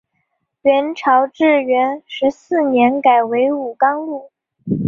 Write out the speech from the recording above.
元朝至元十四年改为武冈路。